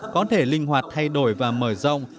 có thể linh hoạt thay đổi và mở rộng